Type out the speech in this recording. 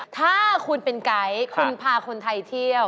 ถ้าคุณเป็นไกด์คุณพาคนไทยเที่ยว